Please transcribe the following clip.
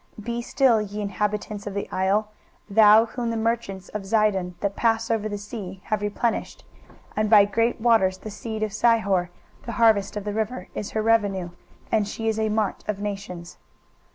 23:023:002 Be still, ye inhabitants of the isle; thou whom the merchants of Zidon, that pass over the sea, have replenished. 23:023:003 And by great waters the seed of Sihor, the harvest of the river, is her revenue; and she is a mart of nations.